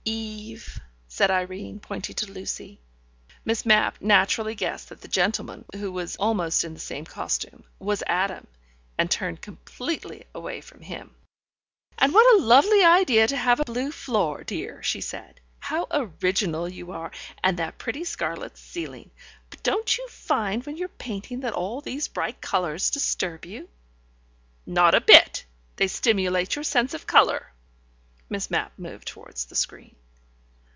"Eve," said Irene, pointing to Lucy. Miss Mapp naturally guessed that the gentleman who was almost in the same costume was Adam, and turned completely away from him. "And what a lovely idea to have a blue floor, dear," she said. "How original you are. And that pretty scarlet ceiling. But don't you find when you're painting that all these bright colours disturb you?" "Not a bit: they stimulate your sense of colour." Miss Mapp moved towards the screen.